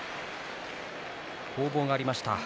攻防がありました。